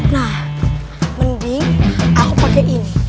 nah mending aku pakai ini